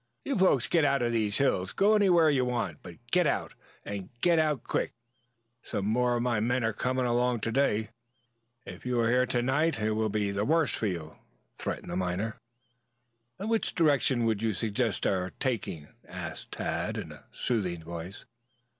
"You folks get out of these hills! Go anywhere you want to, but get out and get out quick. Some more of my men are coming along to day. If you are here to night it will be the worse for you," threatened the miner. "Which direction would you suggest our taking?" asked Tad in a soothing voice.